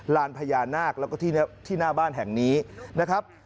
ลานพญานาคแล้วก็ที่หน้าบ้านแห่งนี้นะครับ